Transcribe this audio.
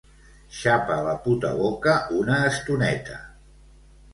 Xapa la puta boca una estoneta.